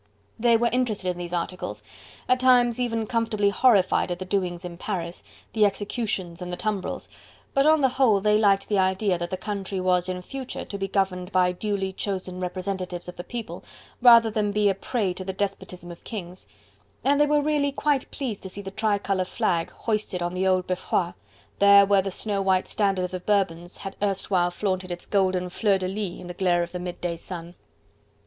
They were interested in these articles, at times even comfortably horrified at the doings in Paris, the executions and the tumbrils, but on the whole they liked the idea that the country was in future to be governed by duly chosen representatives of the people, rather than be a prey to the despotism of kings, and they were really quite pleased to see the tricolour flag hoisted on the old Beffroi, there where the snow white standard of the Bourbons had erstwhile flaunted its golden fleur de lis in the glare of the midday sun.